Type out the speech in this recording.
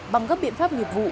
bằng các biện pháp nghiệp vụ